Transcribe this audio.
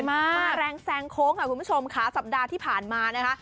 มาแรงแซงโค้งค่ะคุณผู้ชมค่ะสัปดาห์ที่ผ่านมานะคะ